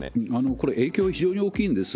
これ、影響は非常に大きいんです。